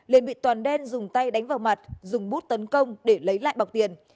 liền bị toàn đen dùng tay đánh vào mặt dùng bút tấn công để lấy lại bọc tiền